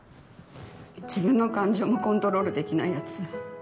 自分の感情もコントロールできないやつ